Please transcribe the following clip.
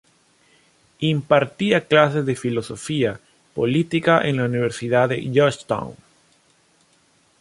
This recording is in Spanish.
Impartía clases de filosofía política en la Universidad de Georgetown.